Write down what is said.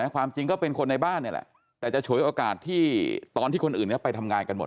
ความจริงก็เป็นคนในบ้านนี่แหละแต่จะฉวยโอกาสที่ตอนที่คนอื่นนี้ไปทำงานกันหมด